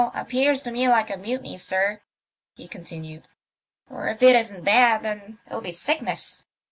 Appears to me like a mutiny, sir," he continued. " Or if it isn't that, then it'll be sickness.